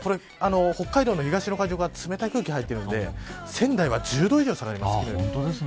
北海道の東の海上から冷たい空気が入ってくるので仙台は昨日より１０度以上、下がります。